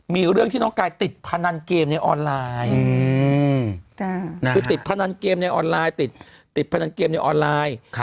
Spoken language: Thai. มีเรื่องที่น้องกายติดพนันเกมในออนไลน์คือติดพนันเกมในออนไลน์ติดพนันเกมในออนไลน์